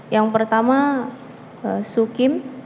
yang pertama su kim